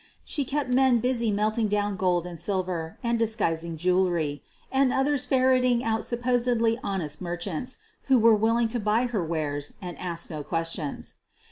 She kept men busy melting down gold and silver and disguising jewelry and others ferreting out supposedly honest mer chants who were willing to buy her wares and ask no questions.